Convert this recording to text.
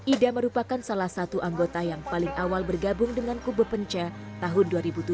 ida merupakan salah satu anggota yang paling awal bergabung dengan kubu penca tahun dua ribu tujuh